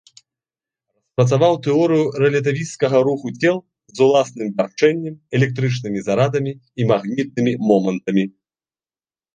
Распрацаваў тэорыю рэлятывісцкага руху цел з уласным вярчэннем, электрычнымі зарадамі і магнітнымі момантамі.